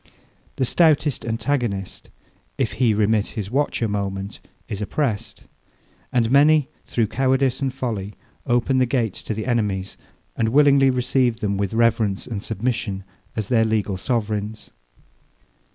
The stoutest antagonist, if he remit his watch a moment, is oppressed. And many, through cowardice and folly, open the gates to the enemies, and willingly receive them with reverence and submission, as their legal sovereigns.